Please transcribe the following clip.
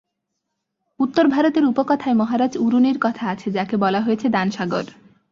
উত্তর ভারতের উপকথায় মহারাজ উরুনির কথা আছে, যাঁকে বলা হয়েছে দানসাগর।